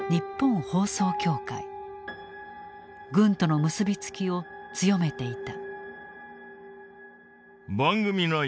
軍との結び付きを強めていた。